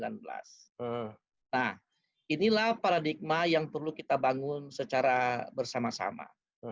nah inilah paradigma yang perlu kita bangun secara bersama sama